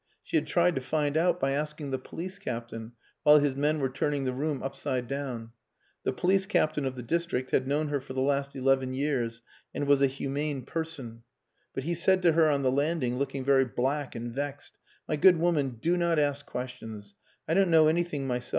She had tried to find out by asking the police captain while his men were turning the room upside down. The police captain of the district had known her for the last eleven years and was a humane person. But he said to her on the landing, looking very black and vexed "My good woman, do not ask questions. I don't know anything myself.